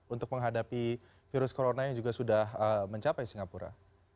untuk menghadapi virus corona yang juga sudah mencapai singapura